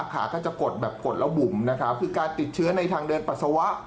ขาก็จะกดแบบกดแล้วบุ๋มนะครับคือการติดเชื้อในทางเดินปัสสาวะ